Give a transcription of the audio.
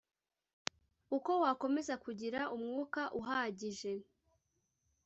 Uko wakomeza kugira umwuka uhagije